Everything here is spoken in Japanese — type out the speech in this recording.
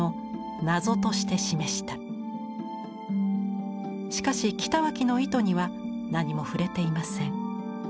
しかし北脇の意図には何も触れていません。